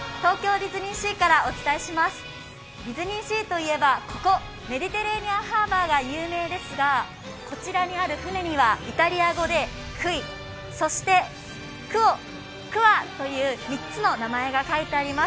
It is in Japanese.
ディズニーシーといえばメディテレーニアンハーバーが有名ですがこちらにある船にはイタリア語でＱｕｉ、そしてＱｕｏ、Ｑｕａという３つの名前が書いてあります。